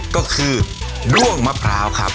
ก็คือด้วงมะพร้าวครับ